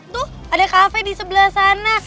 tuh ada kafe di sebelah sana